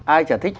ai chả thích